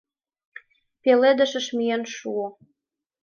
Пеледышыш миен шуо